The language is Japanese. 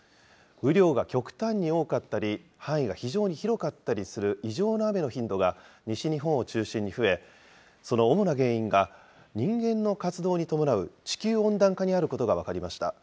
雨量が極端に多かったり、範囲が非常に広かったりする異常な雨の頻度が、西日本を中心に増え、その主な原因が人間の活動に伴う地球温暖化にあることが分かりました。